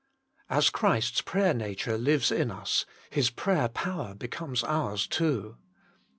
As Christ s prayer nature lives in us, His prayer power becomes ours too.